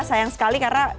sayang sekali karena